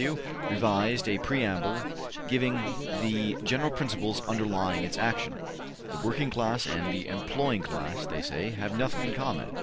W. revised a preamble giving the general principles underlying its action. ``The working class and the employing class,'' they say, ``have nothing in common.